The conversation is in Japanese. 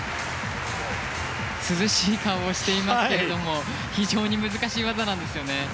涼しい顔をしていますが非常に難しい技なんですよね。